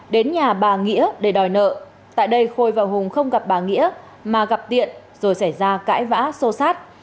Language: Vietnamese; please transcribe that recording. đến nhà bà nghĩa để đòi nợ tại đây khôi và hùng không gặp bà nghĩa mà gặp tiện rồi xảy ra cãi vã sô sát